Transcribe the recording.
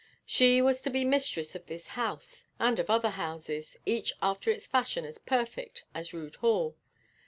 She was to be mistress of this house, and of other houses, each after its fashion as perfect as Rood Hall.